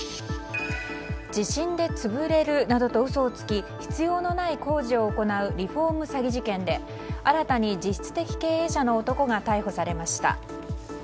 地震で潰れるなどと嘘をつき必要のない工事を行うリフォーム詐欺事件で新たに実質的経営者の男が逮捕されました。